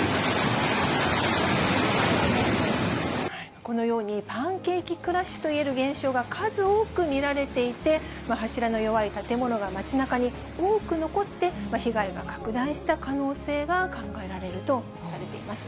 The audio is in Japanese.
このように、パンケーキクラッシュといえる現象が数多く見られていて、柱の弱い建物が街なかに多く残って、被害が拡大した可能性が考えられるとされています。